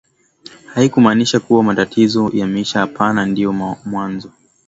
haikumaanisha kuwa matatizo yameisha hapana ndio mwanzo